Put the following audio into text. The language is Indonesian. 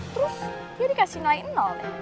terus dia dikasih nilai ya